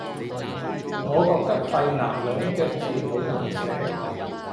我覺得肺癌兩隻字好難寫